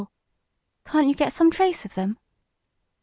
"Can't you get some trace of them?"